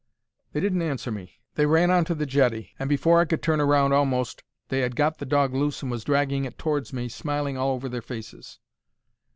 They didn't answer me. They ran on to the jetty, and afore I could turn round a'most they 'ad got the dog loose and was dragging it towards me, smiling all over their faces.